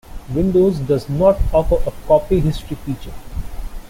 Windows does not offer a copy history feature.